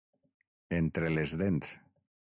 entre les dents